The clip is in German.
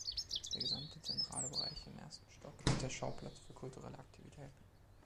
Der gesamte zentrale Bereich im ersten Stock ist der Schauplatz für kulturelle Aktivitäten.